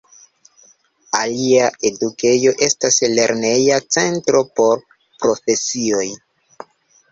Alia edukejo estas lerneja centro por profesioj.